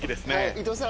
伊藤さん。